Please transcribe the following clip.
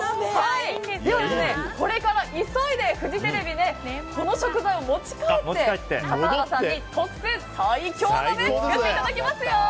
では、これから急いでフジテレビでこの食材を持ち帰って笠原さんに特別最強鍋を作っていただきますよ！